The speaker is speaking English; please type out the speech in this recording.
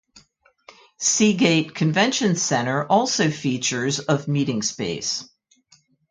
SeaGate Convention Centre also features of meeting space.